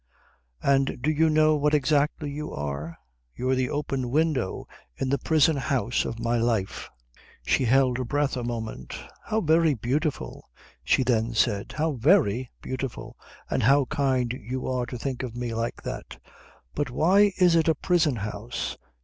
"And do you know what exactly you are? You're the open window in the prison house of my life." She held her breath a moment. "How very beautiful!" she then said. "How very beautiful! And how kind you are to think of me like that! But why is it a prison house?